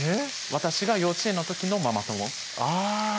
私が幼稚園の時のママ友あぁ